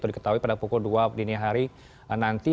diketahui pada pukul dua dini hari nanti